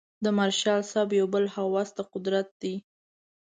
د مارشال صاحب یو بل هوس د قدرت دی.